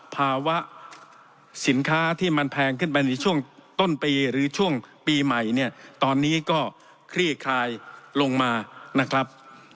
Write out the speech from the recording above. ภาวะสินค้าที่มันแพงขึ้นไปในช่วงต้นปีหรือช่วงปีใหม่เนี่ยตอนนี้ก็คลี่คลายลงมานะครับ